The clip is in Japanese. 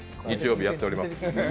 日曜日やっております。